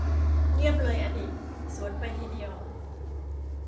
เงียบเลยอะดิ สวนไปทีเดียว